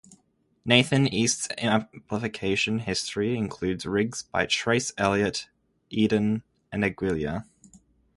Nathan East's amplification history includes rigs by Trace Elliot, Eden and Aguilar.